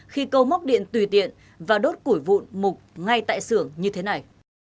khi câu móc điện tùy tiện và đốt củi vụn mục ngay tại xưởng như thế này